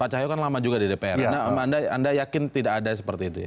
pak cahyo kan lama juga di dpr anda yakin tidak ada seperti itu ya